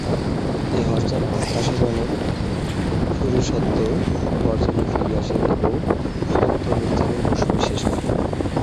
এই হতাশাজনক শুরু সত্ত্বেও, ফরচুনা ফিরে আসেন এবং সপ্তম স্থানে মৌসুম শেষ করেন।